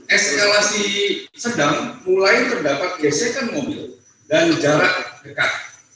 eskalasi sedang mulai terdapat gesekan mobil dan jarak dekat